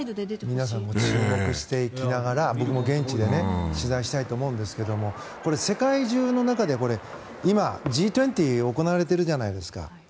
皆さん注目していきながら僕も現地で取材したいと思うんですがこれ、世界中の中で今、Ｇ２０が行われているじゃないですか。